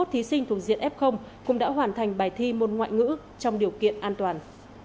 hai mươi thí sinh thuộc diện f cũng đã hoàn thành bài thi môn ngoại ngữ trong điều kiện an toàn